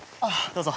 どうぞ。